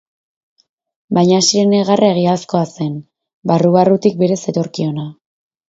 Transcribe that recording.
Mañasiren negarra egiazkoa zen, barru-barrutik berez zetorkiona.